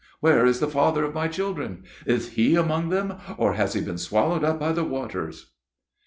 "Where is the father of my children? Is he among them, or has he been swallowed up by the waters?"